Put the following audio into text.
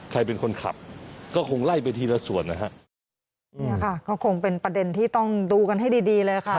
ใครเป็นคนขับก็คงไล่ไปทีละส่วนนะฮะเนี่ยค่ะก็คงเป็นประเด็นที่ต้องดูกันให้ดีดีเลยค่ะ